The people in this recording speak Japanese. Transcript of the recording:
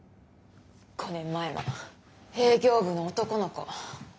５年前も営業部の男の子。